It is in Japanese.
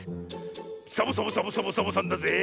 サボサボサボサボサボさんだぜえ！